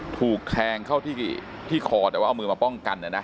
ถูกแทงเข้าที่คอแต่ว่าเอามือมาป้องกันนะนะ